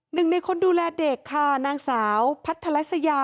หนึ่งในคนดูแลเด็กค่ะนางสาวพัทรัสยา